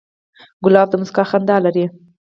ګلاب د موسکا خندا لري.